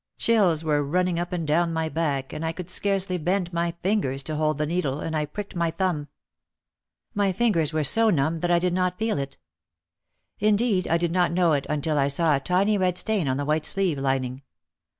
Chills were running up and down my back and I could scarcely bend my fingers to hold the needle and I pricked my thumb. My fingers were so numb that I did not feel it. Indeed I did not know it until I saw a tiny red stain on the white sleeve lining.